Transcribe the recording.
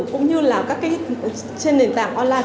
cũng như là các cái trên nền tảng online